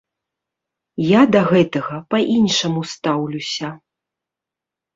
Я да гэтага па-іншаму стаўлюся.